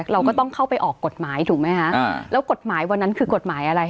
เราก็ต้องเข้าไปออกกฎหมายถูกไหมคะแล้วกฎหมายวันนั้นคือกฎหมายอะไร